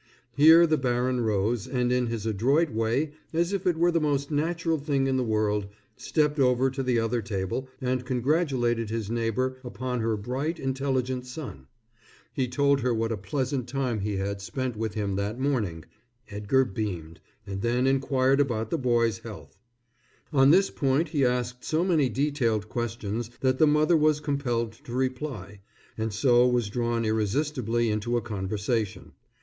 Here the baron rose and in his adroit way, as if it were the most natural thing in the world, stepped over to the other table and congratulated his neighbor upon her bright, intelligent son. He told her what a pleasant time he had spent with him that morning Edgar beamed and then inquired about the boy's health. On this point he asked so many detailed questions that the mother was compelled to reply, and so was drawn irresistibly into a conversation.